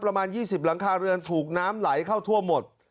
ประมาณ๒๐หลังคาเรือนถูกน้ำไหลเข้าทั่วหมด